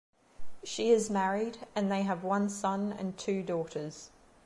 She is married and they have one son and two daughters.